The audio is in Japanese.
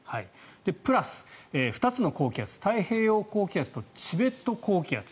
プラス、２つの高気圧太平洋高気圧とチベット高気圧